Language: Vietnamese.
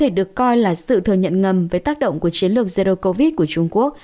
nó có thể được coi là sự thừa nhận ngầm với tác động của chiến lược zero covid của trung quốc